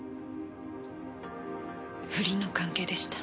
不倫の関係でした。